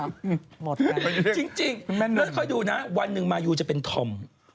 หมดแล้วจริงแล้วค่อยดูนะวันหนึ่งมายูจะเป็นธอม